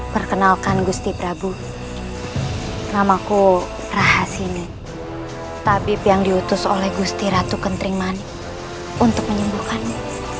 perkenalkan gusti prabu namaku rahasini tabib yang diutus oleh gusti ratu kentring mani untuk menyembuhkannya